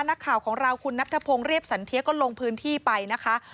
นักข่าวของเราคุณนัทธพงศ์เรียบสันเทียก็ลงพื้นที่ไปนะคะ